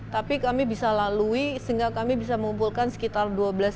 tapi kami bisa lalui sehingga kami bisa mengumpulkan sekitar dua belas